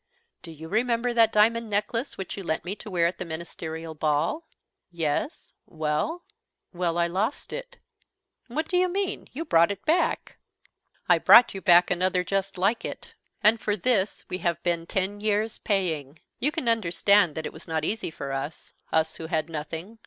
"Do you remember that diamond necklace which you lent me to wear at the ministerial ball?" "Yes. Well?" "Well, I lost it." "What do you mean? You brought it back." "I brought you back another just like it. And for this we have been ten years paying. You can understand that it was not easy for us, us who had nothing.